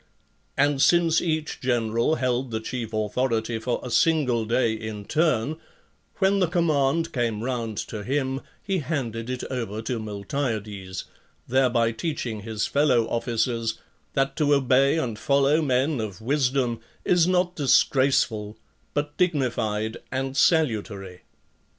And: since each general held the chief authority for a single day in turn, when the command came round to him, he handed it over to, Miltiades, thereby teaching his fellow officers that to obey and follow men of wisdom is not disgraceful, but dignified and salutary.